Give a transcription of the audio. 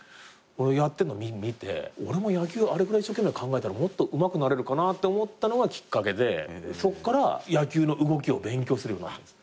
やってんのを見て俺も野球あれぐらい一生懸命考えたらもっとうまくなれるかなと思ったのがきっかけでそっから野球の動きを勉強するようになったんです。